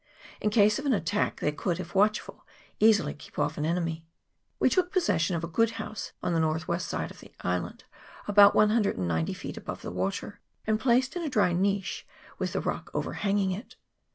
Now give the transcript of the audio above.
In case of an attack, they could, if watchful, easily keep off an enemy. We took possession of a good house on the north west side of the island, about 190 feet above the water, and placed in a dry niche, with the rock over hanging it.